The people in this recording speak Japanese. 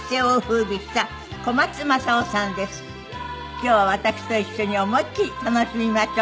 今日は私と一緒に思い切り楽しみましょう。